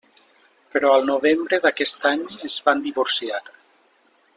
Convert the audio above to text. Però al novembre d'aquest any es van divorciar.